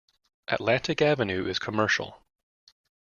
Atlantic Avenue is commercial.